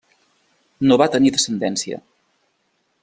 No va tenir descendència.